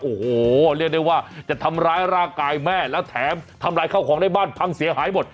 โอ้โหเรียกได้ว่าจะทำร้ายร่างกายแม่แล้วแถมทำลายข้าวของในบ้านพังเสียหายหมด